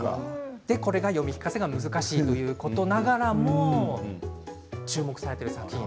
読み聞かせが難しいということながらも注目されている作品。